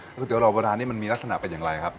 ก๋วยเตี๋ยวหลอดโบราณมันมีลักษณะเป็นอย่างไรครับ